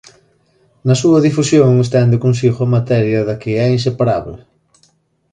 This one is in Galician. Na súa difusión estende consigo a materia da que é inseparábel.